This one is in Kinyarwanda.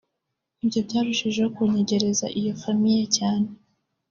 Ibyo byarushijeho kunyegereza iyo famille cyane